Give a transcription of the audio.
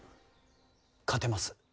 勝てます